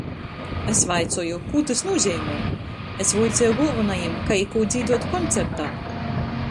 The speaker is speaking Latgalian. Es vaicoju: "Kū tys nūzeimoj?" Es vuiceju golvonajim, kai i kū dzīduot koncertā!